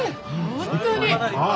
本当に！